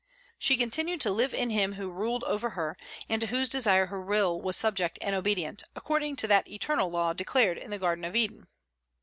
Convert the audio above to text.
She continued to live in him who ruled over her, and to whose desire her will was subject and obedient, according to that eternal law declared in the garden of Eden.